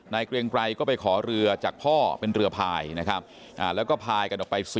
เกรงไกรก็ไปขอเรือจากพ่อเป็นเรือพายนะครับแล้วก็พายกันออกไป